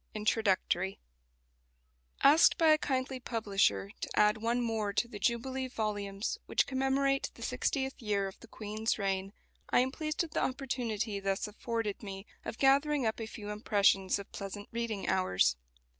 1897 INTRODUCTORY Asked by a kindly publisher to add one more to the Jubilee volumes which commemorate the sixtieth year of the Queen's reign, I am pleased at the opportunity thus afforded me of gathering up a few impressions of pleasant reading hours.